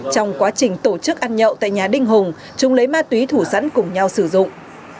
trong quá trình tổ chức ăn nhậu tại nhà đinh hùng chúng lấy ma túy thủ sẵn cùng nhau sử dụng